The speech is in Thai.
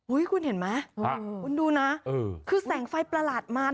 คุณเห็นไหมคุณดูนะคือแสงไฟประหลาดมา